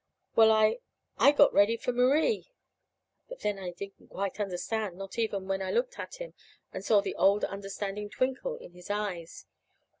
"Well, I I got ready for Marie." But then I didn't quite understand, not even when I looked at him, and saw the old understanding twinkle in his eyes.